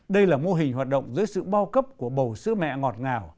đây là mô hình hoạt động dưới sự bao cấp của bầu sứ mẹ ngọt ngào